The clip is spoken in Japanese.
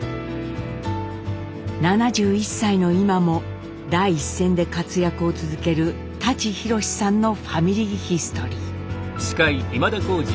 ７１歳の今も第一線で活躍を続ける舘ひろしさんの「ファミリーヒストリー」。